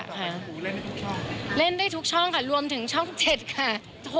เล่นได้ทุกช่องเล่นได้ทุกช่องค่ะรวมถึงช่อง๗ค่ะ